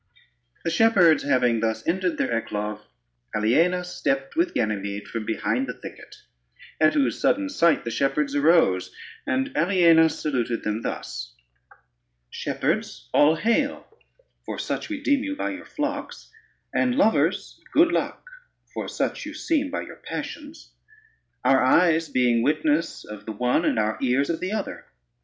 The shepherds having thus ended their eclogue, Aliena stepped with Ganymede from behind the thicket; at whose sudden sight the shepherds arose, and Aliena saluted them thus: "Shepherds, all hail, for such we deem you by your flocks, and lovers, good luck, for such you seem by your passions, our eyes being witness of the one, and our ears of the other.